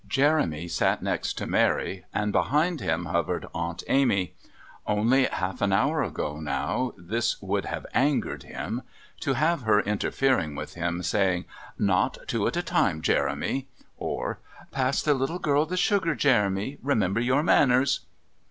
Jeremy sat next to Mary, and behind him hovered Aunt Amy. Only half an hour ago how this would have angered him! To have her interfering with him, saying: "Not two at a time, Jeremy," or "Pass the little girl the sugar, Jeremy remember your manners."